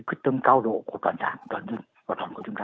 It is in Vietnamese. cái tâm cao độ của toàn đảng toàn dân và toàn của chúng ta